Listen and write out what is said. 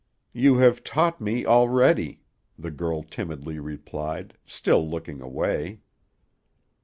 "You have taught me already," the girl timidly replied, still looking away.